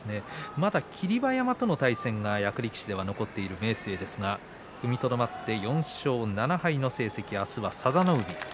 まだ霧馬山との対戦が役力士では残っている明生ですが踏みとどまって４勝７敗の成績明日は佐田の海。